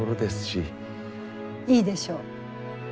いいでしょう。